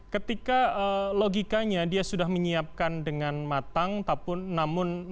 ketika logikanya dia sudah menyiapkan dengan matang namun artinya juga tidak